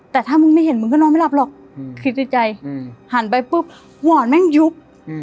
แต่ถ้ามึงไม่เห็นมึงก็นอนไม่หลับหรอกคิดในใจหันไปปุ๊บหวอนแม่งยุบ